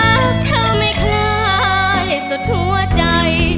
รักเธอไม่คล้ายสุดหัวใจ